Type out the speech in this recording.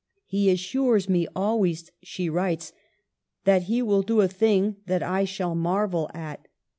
" He assures me always," she writes, '^ that he will do a thing that I shall marvel at."